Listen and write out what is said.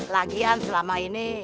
lagian selama ini